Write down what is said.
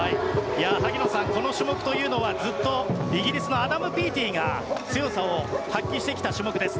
萩野さん、この種目はずっとイギリスのアダム・ピーティが強さを発揮してきた種目です。